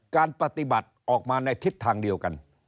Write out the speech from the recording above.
การปฏิบัติออกมาในทิศทางเดียวกัน